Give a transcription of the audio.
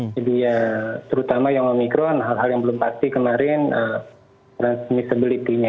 jadi ya terutama yang omicron hal hal yang belum pasti kemarin transmissibility nya